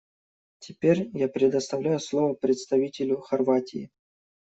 Теперь я предоставляю слово представителю Хорватии.